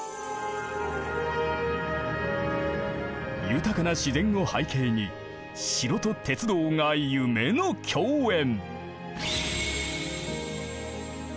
豊かな自然を背景に城と鉄道が夢の共演。